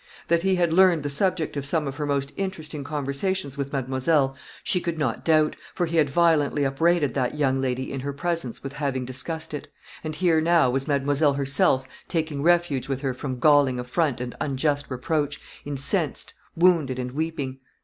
That he had learned the subject of some of her most interesting conversations with mademoiselle she could not doubt, for he had violently upbraided that young lady in her presence with having discussed it, and here now was mademoiselle herself taking refuge with her from galling affront and unjust reproach, incensed, wounded, and weeping.